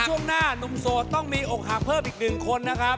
ช่วงหน้านุ่มโสดต้องมีอกหักเพิ่มอีกหนึ่งคนนะครับ